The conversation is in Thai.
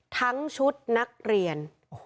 ทั้งชุดนักเรียน